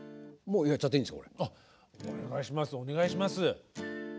お願いします。